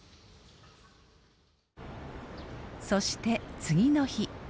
そして次の日。